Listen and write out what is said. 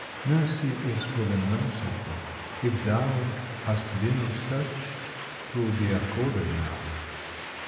Mercy is for the merciful! if thou Hast been of such, 'twill be accorded now.